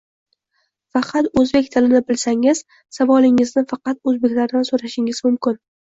Faqat o’zbek tilini bilsangiz, savolingizni faqat o’zbeklardan so’rashingiz mumkin